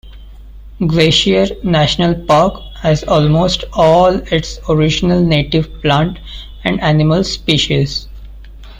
Glacier National Park has almost all its original native plant and animal species.